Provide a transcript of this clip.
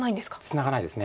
ツナがないです。